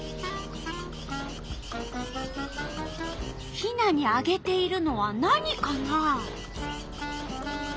ヒナにあげているのは何かな？